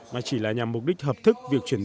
mà chỉ là nhằm mục đích hợp thức